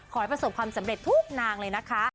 ขอให้ประสบความสำเร็จทุกนางเลยนะคะ